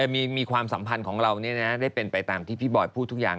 มีความสัมพันธ์ของเราได้เป็นไปตามที่พี่บอยพูดทุกอย่าง